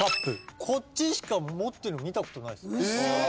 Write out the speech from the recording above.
こっちしか持ってんの見たことないです。え！？